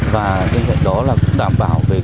và cái đó là đảm bảo về